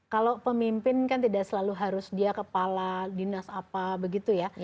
kalau pemimpin kan tidak selalu harus dia kepala dinas apa begitu ya